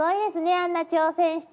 あんな挑戦して。